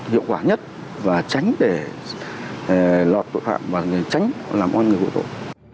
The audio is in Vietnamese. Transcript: hiệu quả nhất và tránh để lọt tội phạm và tránh làm ăn người vụ tội